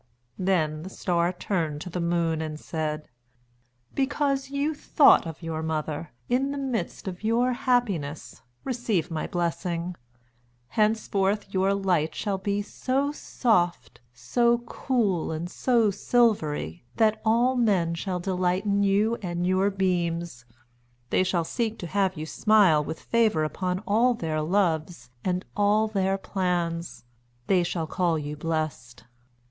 Then the Star turned to the Moon and said: "Because you thought of your mother, in the midst of your happiness, receive my blessing. Henceforth your light shall be so soft, so cool, and so silvery, that all men shall delight in you and your beams. They shall seek to have you smile with favour upon all their loves and all their plans. They shall call you blessed."